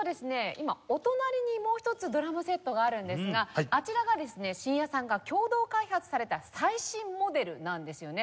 今お隣にもう一つドラムセットがあるんですがあちらがですね真矢さんが共同開発された最新モデルなんですよね。